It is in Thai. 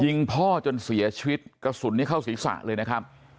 ยิงพ่อจนเสียชีวิตกระสุนเข้าศีรษะเลยนะครับ